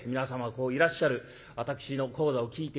こういらっしゃる私の高座を聴いて頂く。